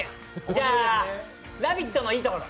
じゃあ「ラヴィット！」のいいところ。